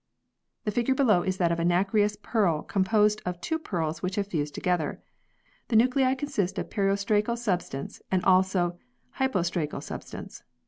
The figure below is that of a nacreous pearl com posed of two pearls which have fused together. The nuclei consist of periostracal substance and also hypostracal substance.